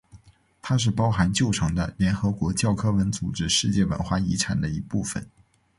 它是包含旧城的联合国教科文组织世界文化遗产的一部分。